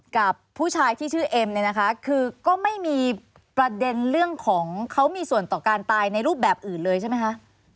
กับผู้ชายที่ชื่อเอ็มเนี่ยนะคะคือก็ไม่มีประเด็นเรื่องของเขามีส่วนต่อการตายในรูปแบบอื่นเลยใช่ไหมคะ